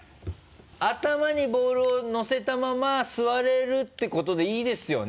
頭にボールをのせたまま座れるってことでいいですよね？